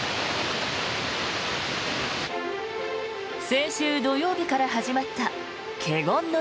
先週土曜日から始まった華厳ノ